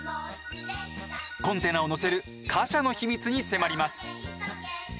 コンテナを載せる貨車の秘密に迫ります。